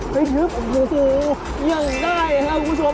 ไปชึบอย่างง่ายครับคุณผู้ชม